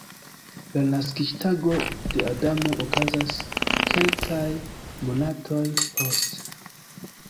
La naskiĝtago de Adamo okazas kelkaj monatoj poste.